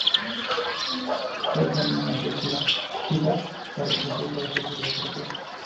Saki anima a esta chica para que acepte hacerse la operación.